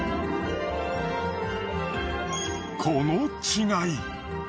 この違い。